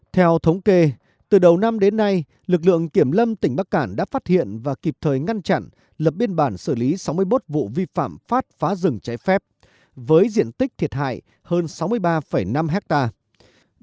theo thống kê từ đầu năm đến nay lực lượng kiểm lâm tỉnh bắc cản đã phát hiện và kịp thời ngăn chặn lập biên bản xử lý sáu mươi một vụ vi phạm phát phá rừng trái phép với diện tích thiệt hại hơn sáu mươi ba năm hectare